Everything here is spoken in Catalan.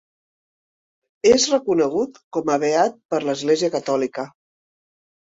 És reconegut com a beat per l'Església Catòlica.